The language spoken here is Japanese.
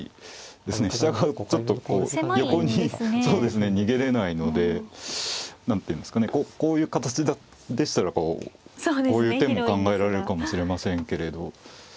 そうですね逃げれないので何ていうんですかねこういう形でしたらこういう手も考えられるかもしれませんけれど。